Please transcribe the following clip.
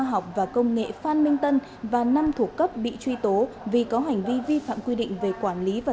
học và công nghệ phan minh tân và năm thủ cấp bị truy tố vì có hành vi vi phạm quy định về quản lý và